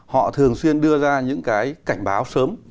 họ thường xuyên đưa ra những cái cảnh báo sớm